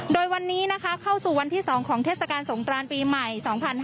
โดยวันนี้นะคะเข้าสู่วันที่๒ของเทศกาลสงกรานปีใหม่๒๕๕๙